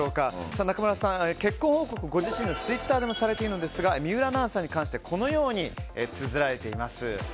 中村さん、結婚報告をご自身のツイッターでもされているんですが水卜アナウンサーについてこのようにつづられています。